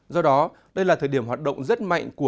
do đó đây là thời điểm hoạt động rất mạnh của các nhà nước